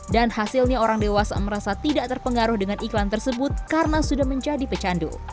dan hasilnya orang dewasa merasa tidak terpengaruh dengan iklan tersebut karena sudah menjadi pecandu